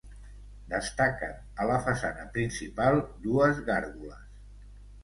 Destaquen a la façana principal dues gàrgoles.